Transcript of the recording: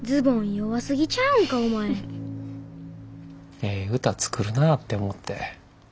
ええ歌作るなぁって思って。